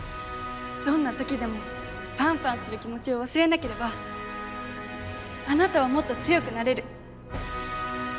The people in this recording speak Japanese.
どんなときでもファンファンする気持ちを忘れなければあなたはもっと強くなれる！